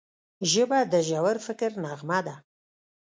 ژبه د ژور فکر نغمه ده